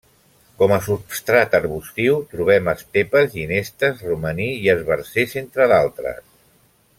Com a substrat arbustiu trobem estepes, ginestes, romaní i esbarzers, entre d'altres.